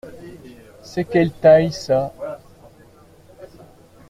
C’est quelle taille ça ?